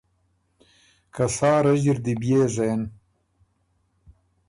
که سا رݫي ر دی بيې زېن